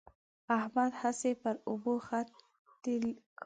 احمد هسې پر اوبو خطې کاږي.